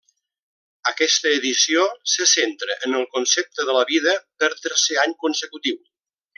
Aquesta edició se centra en el concepte de la vida per tercer any consecutiu.